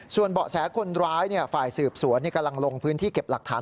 ส่วนเบาะแสคนร้ายฝ่ายสืบสวนกำลังลงพื้นที่เก็บหลักฐาน